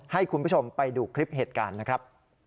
ให้คุณผู้ชมไปดูคลิปเหตุการณ์นะครับ